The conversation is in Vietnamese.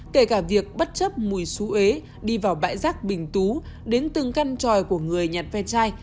kể cả việc bất chấp mùi su ế đi vào bãi rác bình tú đến từng căn tròi của người nhặt phe chai